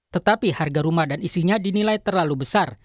tetapi harga rumah dan isinya dinilai terlalu besar